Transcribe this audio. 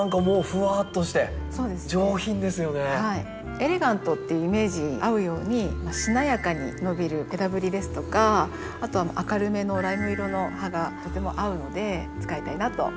エレガントっていうイメージに合うようにしなやかに伸びる枝ぶりですとかあとは明るめのライム色の葉がとても合うので使いたいなと思って。